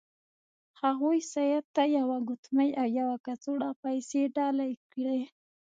هغوی سید ته یوه ګوتمۍ او یوه کڅوړه پیسې ډالۍ کړې.